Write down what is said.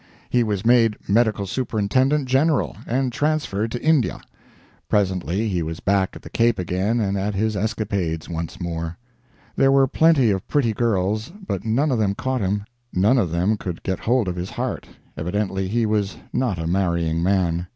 He was made Medical Superintendent General, and transferred to India. Presently he was back at the Cape again and at his escapades once more. There were plenty of pretty girls, but none of them caught him, none of them could get hold of his heart; evidently he was not a marrying man.